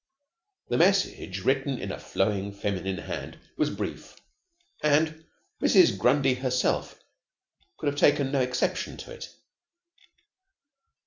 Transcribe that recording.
The message, written in a flowing feminine hand, was brief, and Mrs. Grundy herself could have taken no exception to it.